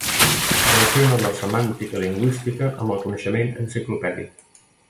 Relaciona la semàntica lingüística amb el coneixement enciclopèdic.